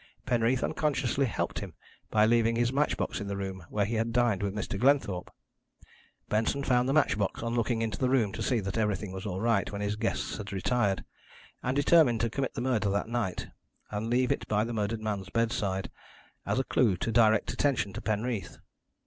Penreath unconsciously helped him by leaving his match box in the room where he had dined with Mr. Glenthorpe. Benson found the match box on looking into the room to see that everything was all right when his guests had retired, and determined to commit the murder that night, and leave it by the murdered man's bedside, as a clue to direct attention to Penreath.